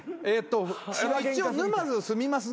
一応沼津住みます